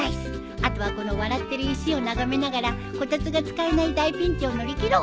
あとはこの笑ってる石を眺めながらこたつが使えない大ピンチを乗り切ろう。